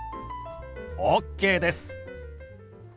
ＯＫです！